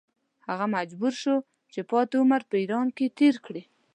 هغه مجبور شو چې پاتې عمر په ایران کې تېر کړي.